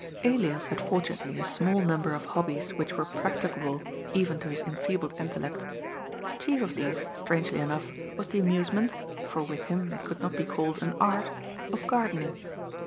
Elias had fortunately a small number of hobbies which were practicable even to his enfeebled intellect. Chief of these, strangely enough, was the amusement — for with him it could not be called an art — of gardening.